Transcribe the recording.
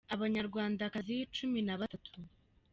Abanyarwandakazi cumi n’abatatu